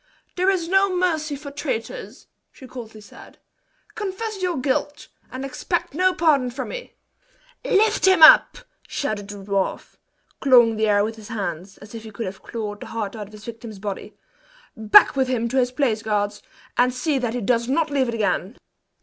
"There is no mercy for traitors!" she coldly said. "Confess your guilt, and expect no pardon from me!" "Lift him up!" shouted the dwarf, clawing the air with his hands, as if he could have clawed the heart out of his victim's body; "back with him to his place, guards, and see that he does not leave it again!"